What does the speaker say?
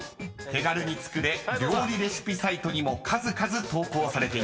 手軽に作れ料理レシピサイトにも数々投稿されています］